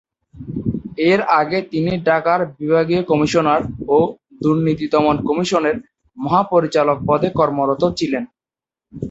এর আগে তিনি ঢাকার বিভাগীয় কমিশনার ও দুর্নীতি দমন কমিশনের মহাপরিচালক পদে কর্মরত ছিলেন।